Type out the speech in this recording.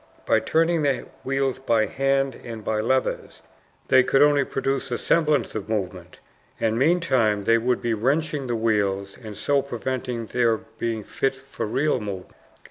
By turning the wheels by hand and by levers they could only produce a semblance of movement, and meantime they would be wrenching the wheels and so preventing their being fit for real movement.